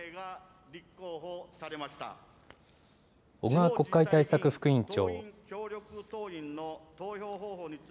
小川国会対策副委員長。